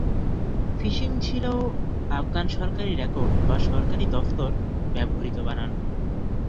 Fishing ছিল Afghan সরকারী record বা সরকারি দফতর ব্যবহৃত বানান।